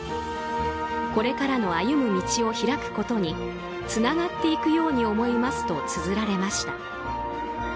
「これからの歩む道を拓くことに繋がっていくように思います」とつづられました。